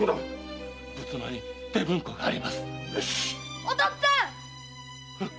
〔お父っつぁん！〕